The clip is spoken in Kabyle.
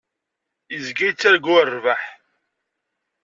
Yezga yettargu rrbeḥ.